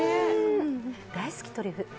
大好き、トリュフ。